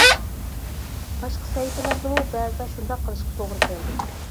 باشقا سەھىپىلەردىمۇ بەزىدە شۇنداق قىلىشقا توغرا كەلدى.